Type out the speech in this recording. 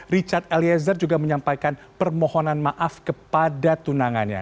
richard eliezer juga menyampaikan permohonan maaf kepada tunangannya